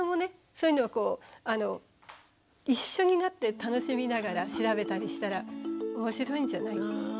そういうのをこう一緒になって楽しみながら調べたりしたら面白いんじゃない？